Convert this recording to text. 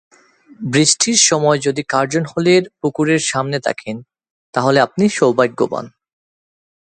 বৃষ্টির সময় যদি কার্জন হলের পুকুরের সামনে থাকেন, তাহলে আপনি সৌভাগ্যবান।